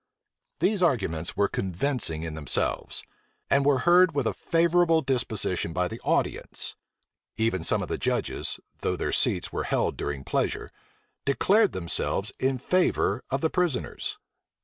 These arguments were convincing in themselves, and were heard with a favorable disposition by the audience. Even some of the judges, though their seats were held during pleasure, declared themselves in favor of the prisoners.